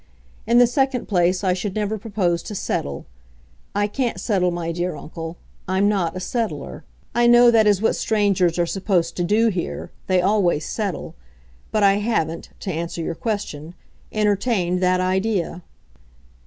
In the second place, I should never propose to settle. I can't settle, my dear uncle; I'm not a settler. I know that is what strangers are supposed to do here; they always settle. But I haven't—to answer your question—entertained that idea."